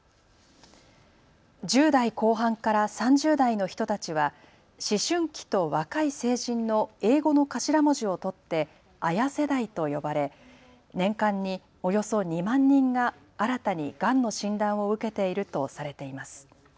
１０代後半から３０代の人たちは思春期と若い成人の英語の頭文字を取ってＡＹＡ世代と呼ばれ年間におよそ２万人が新たにがんの診断を受けているとされています。